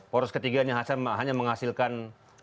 poros ketiganya hanya menghasilkan